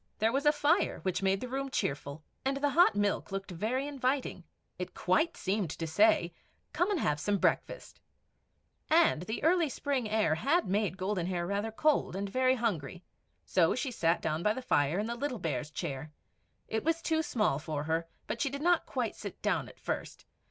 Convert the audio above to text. There was a fire, which made the room cheerful, and the hot milk looked very inviting; it quite seemed to say, "Come and have some breakfast;" and the early spring air had made Golden Hair rather cold, and very hungry; so she sat down by the fire in the little Bear's chair. It was too small for her, but she did not quite sit down at first.